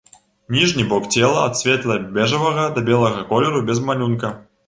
Ніжні бок цела ад светла-бэжавага да белага колеру, без малюнка.